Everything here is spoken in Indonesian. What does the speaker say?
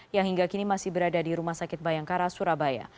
yang hingga kini masih berada di rumah sakit bayangkara surabaya